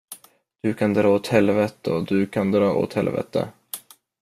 Du kan dra åt helvete och du kan dra åt helvete!